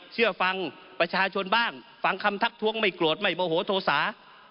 เชื่อฟังประชาชนบ้างฟังคำทักท้วงไม่โกรธไม่โมโหโทษา